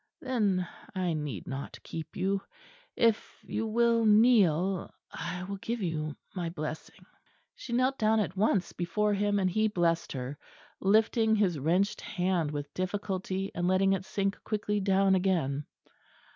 "Then I need not keep you. If you will kneel, I will give you my blessing." She knelt down at once before him, and he blessed her, lifting his wrenched hand with difficulty and letting it sink quickly down again.